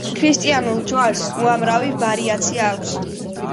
ქრისტიანულ ჯვარს უამრავი ვარიაცია აქვს.